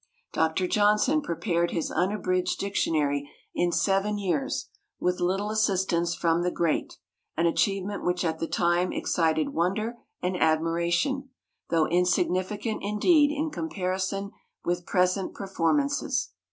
Dr. Johnson prepared his unabridged dictionary in seven years "with little assistance from the great," an achievement which at the time excited wonder and admiration, though insignificant indeed in comparison with present performances.